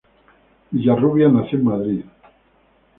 Villarrubia nació en Madrid.